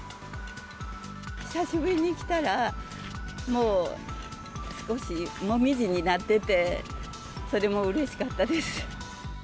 久しぶりに来たら、もう少しもみじになってて、それもうれしかったです。